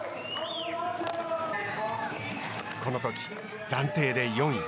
このとき暫定で４位。